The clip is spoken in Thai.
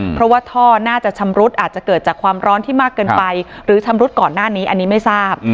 เพราะว่าท่อน่าจะชำรุดอาจจะเกิดจากความร้อนที่มากเกินไปหรือชำรุดก่อนหน้านี้อันนี้ไม่ทราบ